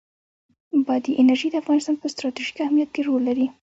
بادي انرژي د افغانستان په ستراتیژیک اهمیت کې رول لري.